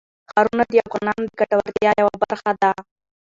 ښارونه د افغانانو د ګټورتیا یوه برخه ده.